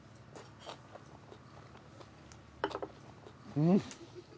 うん。